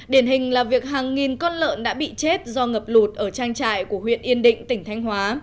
điển hình là việc hàng nghìn con lợn đã bị chết do ngập lụt ở trang trại của huyện yên định tỉnh thanh hóa